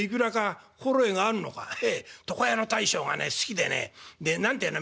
「へえ床屋の大将がね好きでね何てえの？